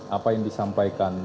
apa yang disampaikan